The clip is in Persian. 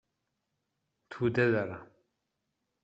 توده دارم.